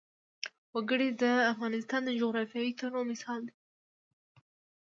وګړي د افغانستان د جغرافیوي تنوع مثال دی.